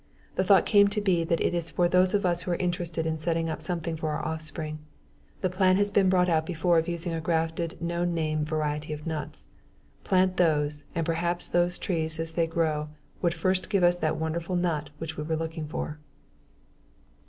The thought came to be that it is for those of us who are interested in setting up something for our offspring. The plan has been brought out before of using a grafted known name variety of nuts. Plant those, and perhaps those trees as they grow would first give us that wonderful nut which we were looking for.